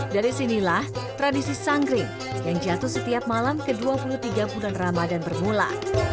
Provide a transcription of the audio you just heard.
dari sinilah tradisi sangkring yang jatuh setiap malam ke dua puluh tiga bulan ramadan bermula